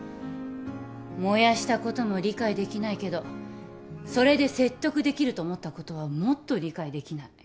燃やしたことも理解できないけどそれで説得できると思ったことはもっと理解できない。